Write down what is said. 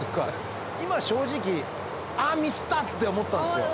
今正直あっミスったって思ったんですよ。